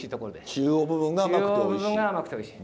中央部分が甘くておいしい。